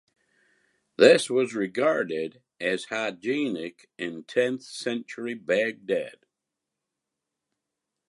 This was regarded as hygienic in tenth century Baghdad.